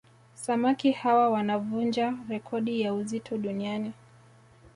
Samaki hawa wanavunja rekodi ya uzito duniani